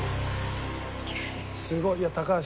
すごいいや高橋。